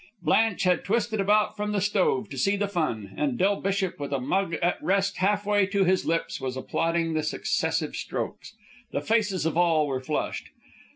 Blanche had twisted about from the stove to see the fun, and Del Bishop, with a mug at rest half way to his lips, was applauding the successive strokes. The faces of all were flushed.